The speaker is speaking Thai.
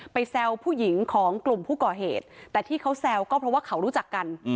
แซวผู้หญิงของกลุ่มผู้ก่อเหตุแต่ที่เขาแซวก็เพราะว่าเขารู้จักกัน